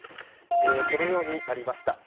このようになりました。